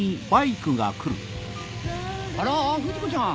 あらっ不二子ちゃん。